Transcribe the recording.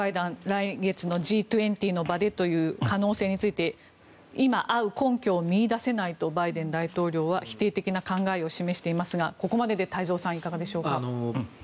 来月のＧ２０の場でという可能性について今、会う根拠を見いだせないとバイデン大統領は否定的な考えを示していますがここまでで太蔵さんいかがですか。